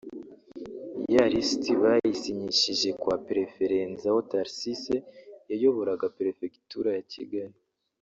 ya lisiti bayisinyishije kwa Perefe Renzaho Tharcisse (yayoboraga Perefegitura ya Kigali)